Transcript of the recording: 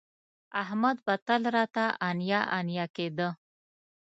احمد به تل راته انیا انیا کېده